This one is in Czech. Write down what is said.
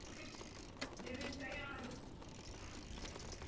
Rozpočet na daný fiskální rok se schvaluje vždy v předchozím roce.